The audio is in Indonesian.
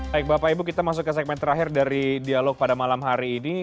baik bapak ibu kita masuk ke segmen terakhir dari dialog pada malam hari ini